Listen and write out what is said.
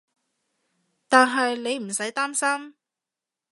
但係你唔使擔心